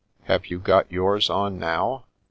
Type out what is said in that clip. Have you got yours on now ?